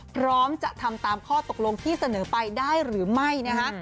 พร้อมจะทำตามข้อตกลงที่เสนอไปได้หรือไม่นะคะ